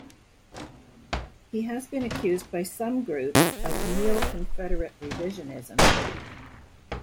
He has been accused by some groups of "Neo-confederate revisionism".